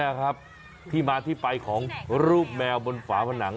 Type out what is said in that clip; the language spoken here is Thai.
นี่ครับที่มาที่ไปของรูปแมวบนฝาผนัง